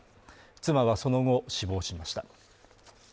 妻はその後、死亡しました。